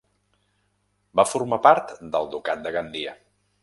Va formar part del ducat de Gandia.